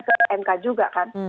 ke pmk juga kan